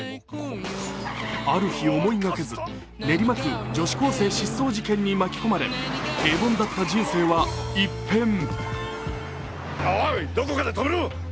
ある日、思いがけず、練馬区女子高生失踪事件に巻き込まれ平凡だった人生は一変。